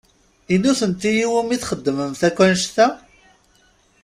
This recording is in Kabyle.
I nutenti i wumi txedmemt akk annect-a?